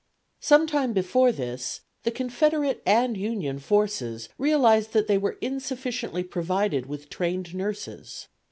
Some time before this the Confederate and Union forces realized that they were insufficiently provided with trained nurses.